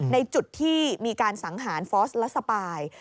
ในจุดที่มีการสังหารฟอสและสปาย